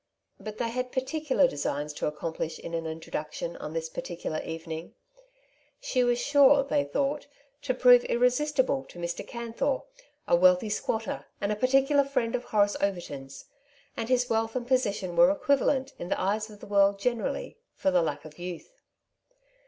But they had particular designs to accomplish in an introduction on this particular evening. She was sure, they thought, to prove irre sistible to Mr. Canthor, a wealthy squatter, and a particular friend of Horace Overton's ; and his wealth and position were equivalent, in the eyes of the world generally, for the lack of youth.